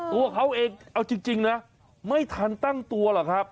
ตัวเขาเองเอาจริงนะไม่ทันตั้งตัวหรอกครับ